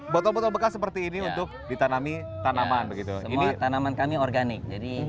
botol botol bekas seperti ini untuk ditanami tanaman begitu ini tanaman kami organik jadi